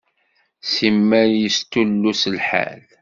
Simmal yestullus lḥal.